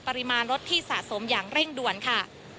ปริมาณรถที่สะสมอย่างเร่งด่วนค่ะ